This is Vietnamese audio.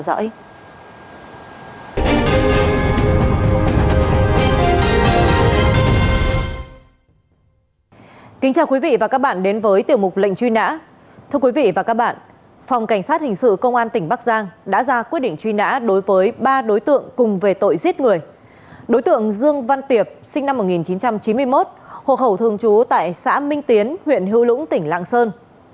đối tượng triệu văn quân sinh năm một nghìn chín trăm chín mươi hộ hậu thường chú tại xã minh tiến huyện hữu lũng tỉnh lạng sơn